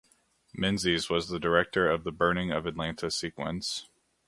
Menzies was the director of the burning of Atlanta sequence.